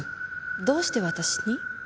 どうして私に？